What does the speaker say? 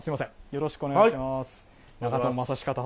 よろしくお願いします。